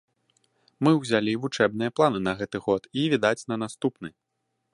Мы ўзялі вучэбныя планы на гэты год і, відаць, на наступны.